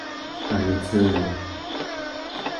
I ate cereal.